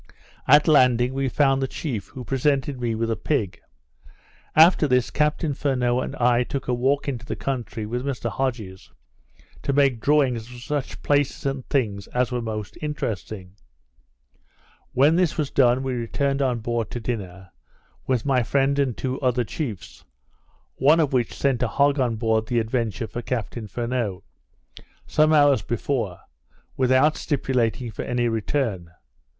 At landing, we found the chief, who presented me with a pig. After this, Captain Furneaux and I took a walk into the country, with Mr Hodges, to make drawings of such places and things as were most interesting. When this was done, we returned on board to dinner, with my friend and two other chiefs; one of which sent a hog on board the Adventure for Captain Furneaux, some hours before, without stipulating for any return.